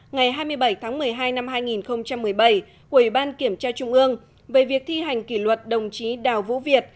ngày hai mươi bảy tháng một mươi hai năm hai nghìn một mươi bảy của ủy ban kiểm tra trung ương về việc thi hành kỷ luật đồng chí đào vũ việt